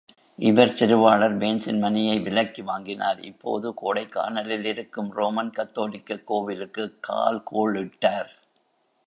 இவர் திருவாளர் பேன்ஸின் மனையை விலைக்கு வாங்கினார் இப்போது கோடைக்கானலிலிருக்கும் ரோமன் கத்தோலிக்கக் கோவிலுக்குக் கால்கோளிட்டார்.